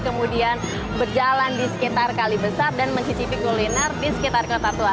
kemudian berjalan di sekitar kali besar dan mencicipi kuliner di sekitar kota tua